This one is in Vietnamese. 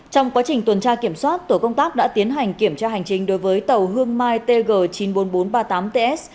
trong quá trình tuần tra kiểm soát tổ công tác đã tiến hành kiểm tra hành trình đối với tàu hương mai tg chín mươi bốn nghìn bốn trăm ba mươi tám ts